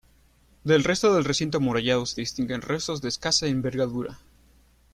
Del resto del recinto amurallado se distinguen restos de escasa envergadura.